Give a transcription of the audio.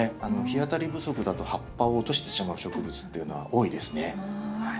日当たり不足だと葉っぱを落としてしまう植物っていうのは多いですね。